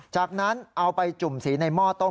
จากนั้นเอาไปจุ่มสีในหม้อต้ม